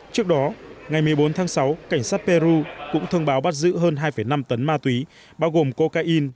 trước đó ngày một mươi bốn tháng sáu cảnh sát peru cũng thông báo bắt giữ hơn hai năm tấn ma túy bao gồm cocaine